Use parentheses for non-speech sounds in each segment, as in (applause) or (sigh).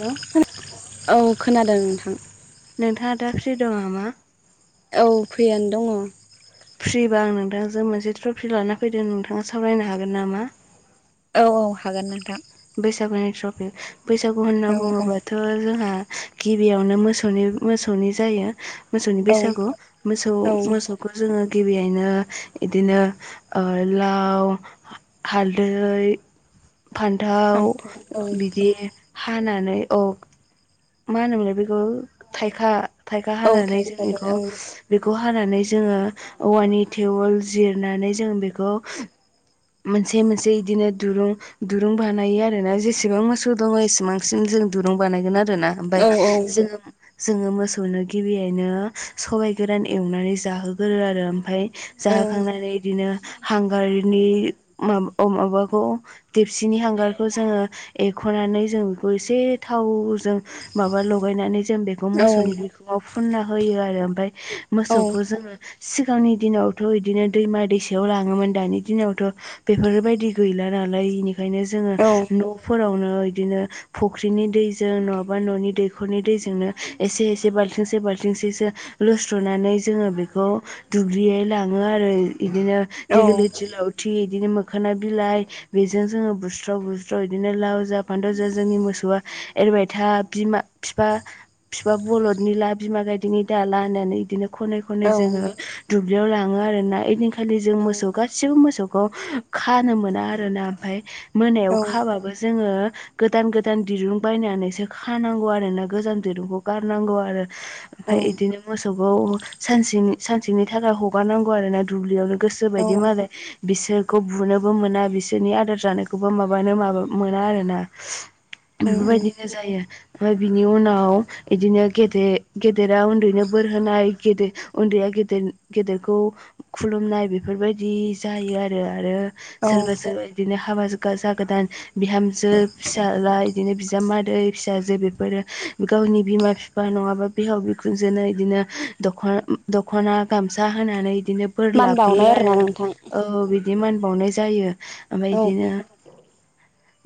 Hello औ खोनादों नोंथां नोंथाङा दा फ्रि दङ नामा औ फ्रियानो दङ फ्रिबा आं नोंथांजों मोनसे ट्रफि लाना फैदों नोंथाङा सावरायनो हागोन नामा औ औ हागोन नोंथां बैसागुनि ट्रफि बैसागु होनना औ औ बुङोबाथ जोंहा गिबियावनो मोसौनि मोसौनि जायो मोसौनि औ बैसागु मोसौ औ मोसौ खौ जोङो गिबियैनो बिदिनो लाव हालदै दाउ फान्थाव औ बिदि हानानै औ मा होनोमोनलाय बेखौ थाइखा थाइखा औ हानानै जों थाइखौबो औ इखौ बेखौ हानानै जोङो औवानि थेवोल जिरनानै जों बेखौ मोनसे मोनसे इदिनो दुरुं दुरुं बानायो आरोना जेसेबां मोसौ दङ एसेबांसिम जों दुरुं बानायगोन आरोना ओमफ्राय औ औ जों जोङो मोसौनो गिबियैनो सबाइ गोरान एवनानै जाहोगोरो आरो ओमफ्राय औ जाहोखांनानै बिदिनो हांगारनि म माबाखौ देपसिनि हांगारखौ जोङो एरखनानै जों बेखौ एसे थावजों माबा लगायनानै जों बेखौ औ मोसौनि बिखुङाव फुनना होयो आरो ओमफ्राय मोसौखौ जोङो सिगांनि दिनावथ इदिनो दैमा दैसायाव लाङोमोन दानि दिनावथ बेफोरबायदि गैला नालाय इनिखायनो जोो न'फोरावनो इदिनो फुख्रिनि दैजों नङाबा न'नि दैखरनि दैजोंनो एसे एसे बाल्थिंसे बाल्थिंसेसो लुस्रनानै जोङो बेखौ दुब्लियै लाङो आरो इदिनो दिगलिथि लावथि इदिनो मोखोना बिलाइ बेजों जोङो बुस्राव बुस्राव बिदिनो लाव जा फानथाव जा जोंनि मोसौआ एरबाय था बिमा फिफा फिफा बरलदनि ला बिमा गायददिनि दाला होननानै इदिनो खनै खनै जोङो दुब्लियाव लाङो आरोना ओइदिनखालि जों मोसौ गासिबो मोसौखौ खानो मोना आरो ना ओमफफ्राय मोनायाव खाबाबो जोङो गोदान गोदान दिरुं बायनानैसो खानांगौ आरो ग औ बि मोसौखौ सानसेनि सानसेनि थाखाय हगारनांगौ आरो ना दुब्लियावनो गोसो बायदि मालाय बिसोरखौ बुनोबो मोना बिसोरनि आदार जानायखौबो माबानो माबा मोना आरो ना उम उम बेफोरबायदिनो जायो ओमफ्राय बिनि उनाव बिदिनो गेदेर गेदेरा उन्दैनो बोर होनाय गेदेर उन्दैया गेदेर गेदेरखौ खुलुमनाय बेफोरबायदि जायो आरो आरो औ सोरबा सोरबा बिदिनो हाबा ज गोदान बिहामजो फिसाज्ला बिदिनो बिजामादै फिसाजो गावनि बिमा बिफा नङाबा बिहाव बिखुनजोंनो बिदिनो दख'ना दख'ना गामसा होनानै बिदिनो बोर मान बावनाय लाफैयो आरोना आरो नोंथां औ बिदि मोनानबावनाय जायो ओमफ्राय औ बिदिनो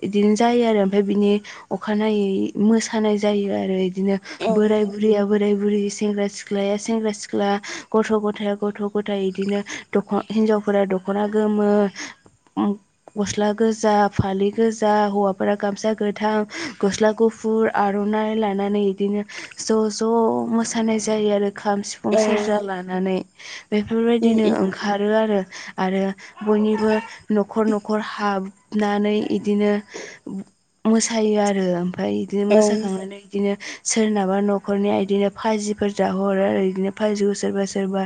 बिदिनो जायो आरो ओमफ्राय बिनि अखानायै मोसा थानायानाय जायो आरो इदिनो औ बोराय बुरिया बोराय बुरि सेंग्रा सिख्लाया सेंग्रा सिख्ला गथ' गथाय गथ' गथाय इदिनो दख हिनजावफोरा दख'ना गोमो गस्ला गोजा फालि गोजा हौवाफोरा गामसा गोथां गस्ला गुफुर आर'नाइ लानानै इदिनो ज' ज' मोसानाय जायो आरो खाम सिफुं सिफुं सेरजा लानानै उम बेफोरबायदिनो ओंखारो आरो आरो बयनिबो न'खर न'खर हा नानै इदिनो मोसायो आरो ओमफफ्राय बिदिनो उम मोसाखांनानै बिदिनो सोरनाबा न'खरनिया बिदिनो भाजिफोर जाहोहरो आरो बिदिनो भिखौ सोरबा सोरबा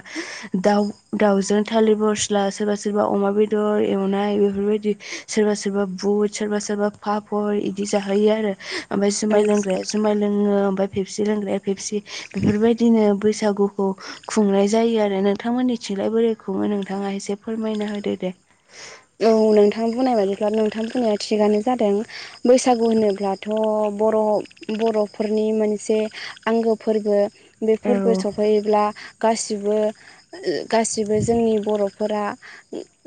दाउ दाउजों थालिर बरस्ला सोरबा सोरबा अमा बेदर एवनाय बेफोरबायदि सोरबा सोरबा बुट सोरबा सोरबा पापर इदि जाहोयो आरो ओमफफ्राय औ जुमाय लोंग्राया जुमाय लोङो ओमफ्राय फेबसि लोंग्राया फेबसि बेफोरबायदिनो बैसागुखौ खुंनाय जायो आरो नोंथांमोननि थिगलाय बोरै खुङो नोंथाङा एसे फोरमायना होदो दे औ नोंथां बुंनाय बाददिब्ला नोंथां बुंनाया थिगानो जादों बैसागु होनोब्लाथ' बर' बर'फोरनि मोनसे आंगो फोरबो बे औ फोरबो सफैयोब्ला गासिबो गासिबो जोंनि बर'फोरा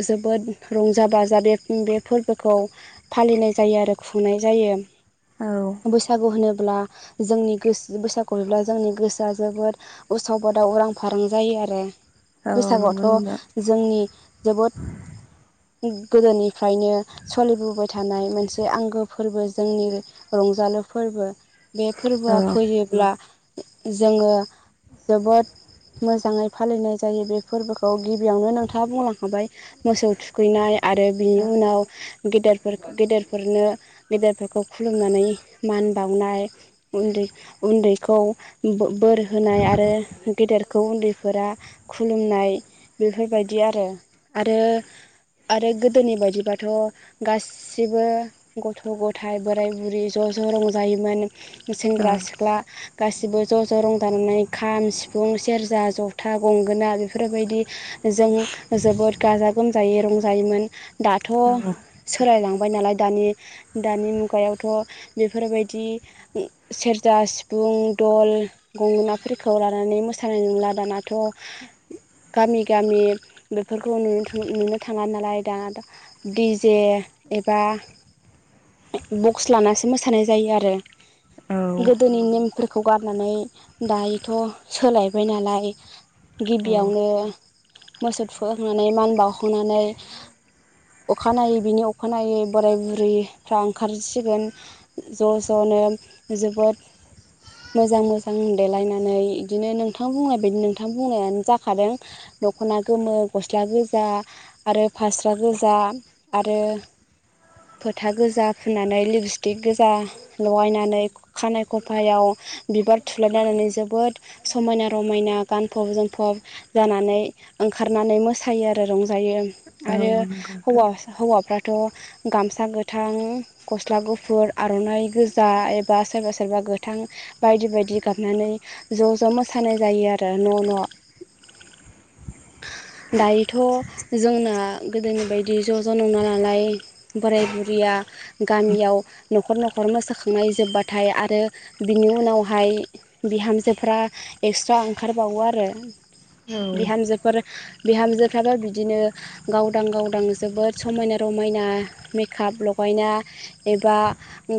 जोबोद रंजा बाजा बे बे फोरबोखौ फालिनाय जायो आरो खुंनाय जायो औ बैसागु होनोब्ला जोंनि गोसो बैसागु हब्ला जोंनि गोसोआ जोबोद उसाव बादाव उरां फारां जायो आरो औ नंगौ बैसागआवथ' नोंथां जोंनि जोबोद गोदोनिफ्रायनो सोलिबोबाय थानाय मोनसे आंगो फोरबो जोंनि रंजालु फोरबो बे औ फोरबोआ औ फैयोब्ला जोङो जोबोद मोजाङै फालिनाय जायो बे फोरबोखौ गिबियावनो नोंथाङा बुंलांखाबाय मोसौ थुखैनाय आरो बिनि उनाव गेदेर गेदेर बे फोरनो गेदेरफोरखौ खुलुमनानै मान बावनाय न्द उन्दैखौ बोर होनाय आरो गेदेरखौ उन्दै फोरा खुलुमनाय बेफोरबायदि आरो आरो आरो गोदोनि बायदिबाथ' गासै गासिबो गथ' गथाय बोराय बुरै ज' ज' रंजायोमोन सेंग्रा सिख्ला गासिबो ज' ज' रंजानानै खाम सिफुं सेरजा जथा गंगोना बेफोरबायदि जों जोबोद गाजा गोमजायै रंजायोमोन दाथ' औ सोलायलांबाय नालाय दानि दानि मुगायावथ' बेफोरबायदि सेरजा सिफुं दल गंगाफोरखौ लानानै मोसानाय नंला दानाथ' गामि गामि बेफोरखौ न थां नुनो थाङा नालाय दान डिजे एबा बक्स लानासो मोसानाय जायो आरो औ गोदोनि नेम बेखौ गारनानै दायोथ' सोलायबाय नालाय औ गिबियावनो मोसौ थुखैखांनानै मान बावखांनानै अखानायै बिनि अखानायै बोराय बुरैफ्रा ओंखारसिगोन ज' ज'नो जोबोद मोजां मोजां देलायनानै बिदिनो नोंथां बुंनाय बायदि नोंथां बुंनायानो जाखादों दख'ना गोमो गस्ला गोजा आरो फास्रा गोजा आरो फोथा गोजा फुननानै लिपस्टिक गोजा लगायनानै खानाय खफायाव बिबार थुलायलायनानै जोबोद समायना रमायना गानफब जोमफब जानानै ओंखारनानै मोसायो आरो रंज जायो औ आरो नंगौ नोंथां हौवाफ्राथ' गामसा गोथां गस्ला गुफुर आर'नाइ गोजा एबा सोरबा सोरबा गोथां बायदि बायदि गाबनानै ज' ज' मोसानाय जायो आरो न' न' (inaudible) दायोथ' जोंना गोदोनि बायदि ज' ज' नंला नालाय बोराय बुरिया गामियाव न'खर न'खर मोसाखांनाय जोबबाथाय आरो बिनि उनावहाय बिहामजोफ्रा एक्सट्रा ओंखारबावो आरो औ बिहामजोफोर बिहामजोफ्राबो बिदिनो गावदां गावदां जोबोद समायना रमायना मेकाप लगायना एबा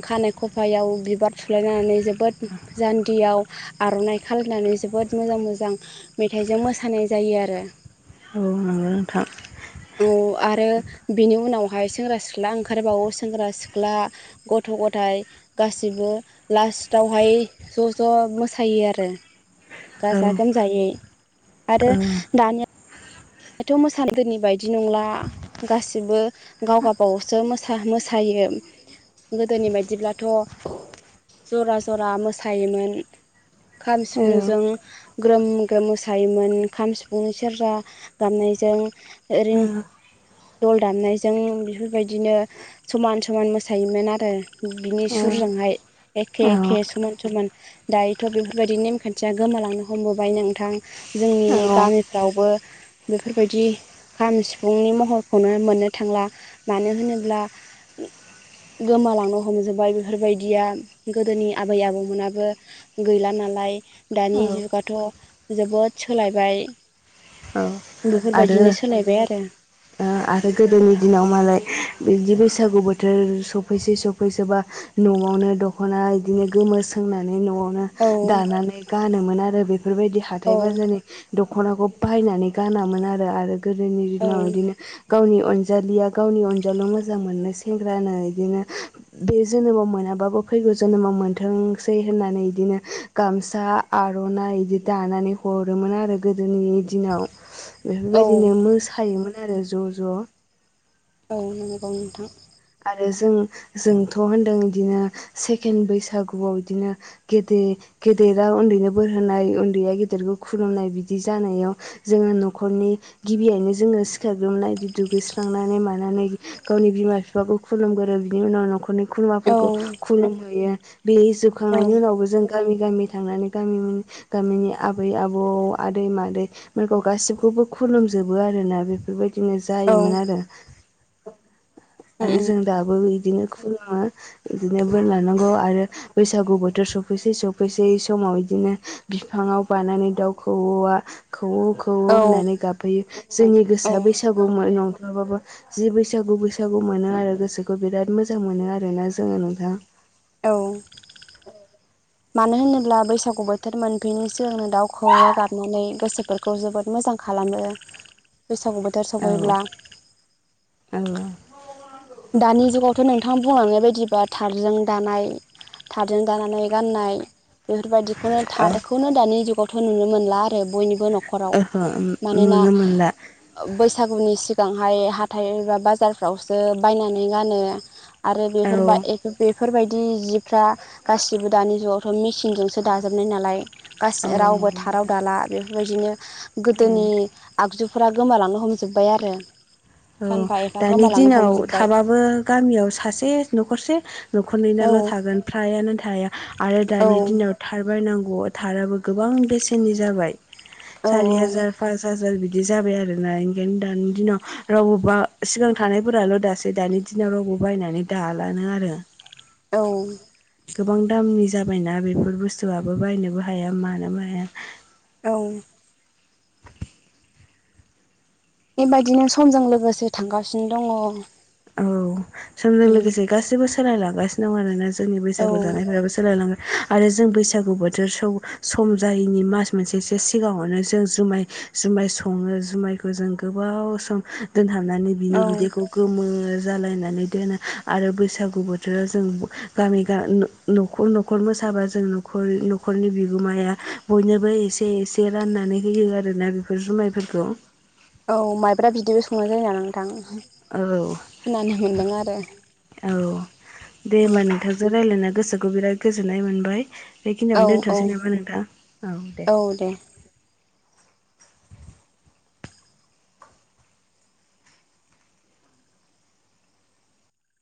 खानायाइ खफायाव बिबार सुलायनानै जोबोद जान्दियाव आर'नाइ खालायनानै जोबोद मोजां मोजां मेथाइजों मोसानाय जायो आरो औ नंगौ नोंथां औ आरो बिनि उनावहाय सेंग्रा सिख्ला ओंखारबावो सेंग्रा सिख्ला गथ' गथाय गासिबो लास्टावहाय ज' ज' मोसायो आरो औ गाजा गोमजायै आरो ओ दानिया दाथ' मोसदोनि बायदि नंला गासिबो गाव गबावसो मोसायो गोदोनि बायदिब्लाथ' जरा जरा मोसायोमोन खाम औ सिफुंजों ग्रोम ग्रोम मोसायोमोन खाम सिफुं सेरजा गाननायजों ओरैनो दल दामनायजों बेफोरबायदिनो समान समान मोसायोमोन आरो बिनि औ सुरजोंहाय एखे औ एखे समान समान दायोथ' बेफोरबायदि नेमखान्थिया गोमालांनो हमबोबाय नोंथां जोंनि गामिफ्रावबो बेफोरबायदि खाम सिफुंनि महरखौनो मोननो थांला मानो होनोब्ला बे गोमालांनो हमजोब्बाय बेफोरबायदिया गोदोनि आबै आबौमोनाबो गैला नालाय दानि औ जुगाथ' जोबोद सोलायबाय औ आरो बेफोरबायदिनो सोलायबाय आरो आरो गोदोनि दिनाव मालाय बिदि बैसागु बोथोर सफैसै सफैसोबा न'आवनो दख'ना बिदिनो गोमो सोंनानै न'आवनो औ दानानै गानोमोन आरो बेफोरबायदि औ हाथथाय बाजारनि दख'नाखौ बायनानै गानामोन आरो आरो गोदोनि औ दिनाव बिदिनो गावनि अनजालिया गावनि अनजाल' मोजां मोनो सेंग्रानो बिदिनो बे जोनोमाव मोनाबाबो फैगौ जोनोमाव मोनथोंसै होननानै बिदिनो गामसा आर'नाइ बिदि दानानै हरोमोन आरो गोदोनि दिनाव औ बेफोरबायदिनो मोसायोमोन आरो ज' ज' औ नंगौ नोंथां आरो जों जोंथ' होनदों बिदिनो सेकेणड बैसागुआव बिदिनो गेदेर गेदेरा उन्दैनो बोर होनाय उन्दैया गेदेरखौ खुलुमनाय बिदि जानायाव जोङो न'खरनि गिबियैनो जोङो सिखाराग्रोमनायदि दुगैस्रांनानै मानानै गावनि बिमा बिफाखौ खुलुमगोरो बिनि उनाव न'खरनि खुलुमाफोरखौ औ खुलुमहयो बे जोब औ फखांनायनि उनावबो जों गामि गामि थांनानै गामि गामिनि आबै आबौ आदै मादै बेखौ गासिबखौबो खुलुमजोबो आरोना बेफोरबायदिनो औ जायोमोन आरो। आरो उम जों दाबो बिदिनो खुलुमो बिदिनो बोन लानांगौ आरो बैसागु बोथोर सफैसै सफैसै समाव बिदिनो बिफांाव बानानै दाउ खौवौआ खौवौ औ होननानै गाबहैयो जोंनि गोसोआ बैसागु नंथ्लाबाबो जि बैसागु बैसागु मोनो आरो गोसोखौ बिराद मोजां मोनो आरोना जोङो नोंथां औ मानो होनोब्ला बैसागु बोथोर मोनफैनोसोगंनो दाउखौवा गारनानै गोसोफोरखौ खौ जोबोद मोजां खालामो बैसागु बोथोर औ सफैब्ला औ दानि जुगावथ' नोंथाङा बुंलांनाय बायदिबा थारजों दानाय थारजों जानानै गाननाय बेफोरबायदिखौनो थारखौनो दानि जुगावथ' नुनो मोनला आरो बयनिबो न'खर अहो अहो उम नुनो मोनला बैसागुनि सिगांहाय हाथाइ एबा बाजारफ्रावसो बायनानै गानो आरो औ बेफोरबाय बेफोरबायदि जिफ्रा गासिबो दानि जुगावथ' मेचिनजोंसो दाजोबनाय नालाय औ गाससि रावबो नंगौ थाराव नोंथां दाला बेफोरबायदिनो औ गोदोनि आगजुफोरा गोमालांनो हमजोब्बाय आरो औ सानफा एफा दानि गोमालांनो दिनाव हमजोब्बाय थाबाबो गामियाव सासे न'खरसे औ न'खरनैनाल' थागोन फ्रायानो थाया आरो औ दानि दिनाव थारबायायनांगौ थाराबो गोबां बेसेननि जाबाय औ सारि हाजार फास हाजार बिदि जाबाय आरोना ओंखायनो दानि दिनाव रावबो बा सिगां थानायफोराल' दासै दानि दिनाव रावबो बायनानै दालानो आरो औ गोबां दामनि जाबायना बेफोर बुस्थुआबो बायनोबो हाया मानो हाया औ बेबायदिनो समजों लोगोसे थांगासिनो दङ औ समजों लोगोसे गाससिबो सोलायलांगासिनो दं आरोना जोंनि औ बैसागु जानायफोराबो सोलायलांग आरो जों बैसागु बोथोर स सम जायैनि मास मोनसेसो सिगाङावनो जों जुमाय जुमाय सङो जुमायखौ जों गोबाव सम दोनहाबनानै बिनि बिदैखौ गोमो जालायनानै दोनो आरो बैसागु बोथोराव जों गामि न'खर मोसाबा जोंखर न'खरनि बिगोमाया बयनोबो एसे एसे जे राननानै होयो आरोना बेफोर जुमायफोरखौ औ माइब्रा बिदिबो संनाय जायो नालाय नोंथां औ खोनानो मोनदों आरो औ दे उम होमबा नोंथां जों रायज्लायनो गोसोखौ बिराद गोजोन्नाय मोनबाय औ बेखिनियावनो दोनथ'नोसै औ नामा नोंथां औ दे